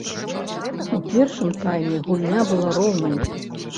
У першым тайме гульня была роўнай.